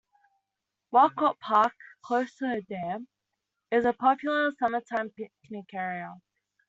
Walcott Park, close to the dam, is a popular summertime picnic area.